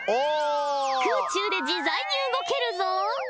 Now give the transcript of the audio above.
空中で自在に動けるぞ。